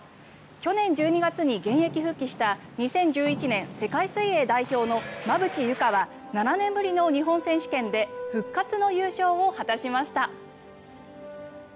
去年１２月に現役復帰した２０１１年世界水泳代表の馬淵優佳は７年ぶりの日本選手権で復活の優勝を果たしました。